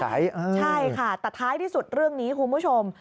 ใช่ค่ะแต่ท้ายที่สุดเรื่องนี้คุณผู้ชม